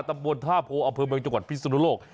ตำบวนธาบโภอเภอเมืองจังหวัดพิศนโลก